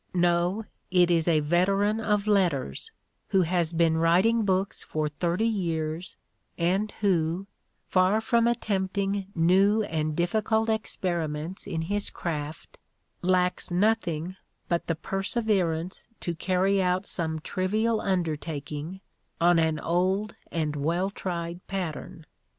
No, it is a veteran of letters, who has been writing books for thirty years and who, far from attempting new and difficult experiments in his craft, lacks nothing but the perseverance to carry out some trivial undertaking on an old and well tried pat tern.